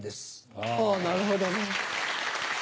あぁなるほどね。